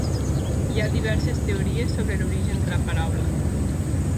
Hi ha diverses teories sobre l'origen de la paraula.